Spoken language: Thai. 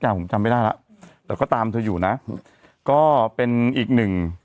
ผมจำไม่ได้แล้วแต่ก็ตามเธออยู่นะก็เป็นอีกหนึ่ง